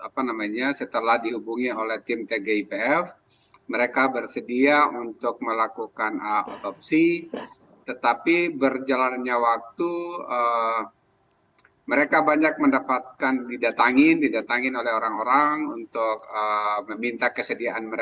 pak laude selamat sore